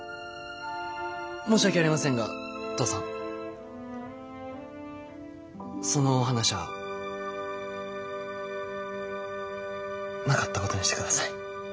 申し訳ありませんが父さんそのお話はなかったことにしてください。